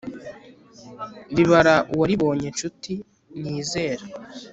ribara uwaribonye nshuti nizera